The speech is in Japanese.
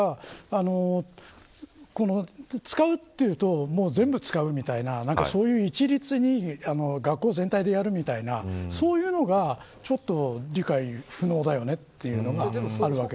使うというと全部使うみたいな一律に学校全体でやるみたいなそういうのがちょっと理解不能だよねというのがあるわけです。